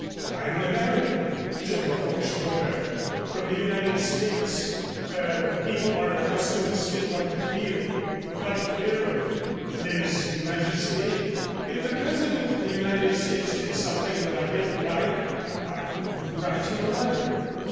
"I am an American, General von Stromberg, from the United States, where people are accustomed to speak what they feel, without fear of lèse majesté. If the President of the United States did something that I didn't like I would write him a letter."